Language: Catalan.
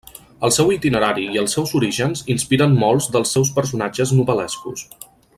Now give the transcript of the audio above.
El seu itinerari i els seus orígens inspiren molts dels seus personatges novel·lescos.